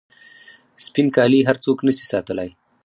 سپین کالي هر څوک نسي ساتلای.